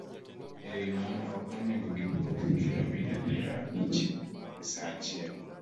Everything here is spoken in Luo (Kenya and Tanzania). E wi mano, ok onego giwuoth kilomita piero abich e sa achiel